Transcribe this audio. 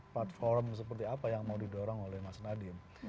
platform seperti apa yang mau didorong oleh mas nadiem